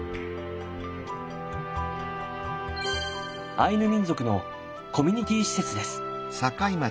アイヌ民族のコミュニティー施設です。